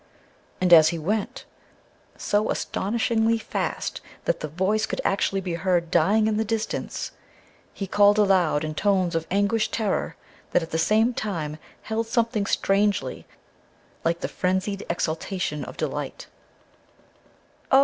And as he went so astonishingly fast that the voice could actually be heard dying in the distance he called aloud in tones of anguished terror that at the same time held something strangely like the frenzied exultation of delight "Oh!